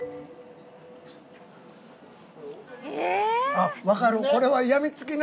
あっ分かる。